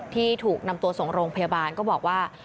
ที่ถูกนำตัวส่งโรงพยาบาลก็บอกว่า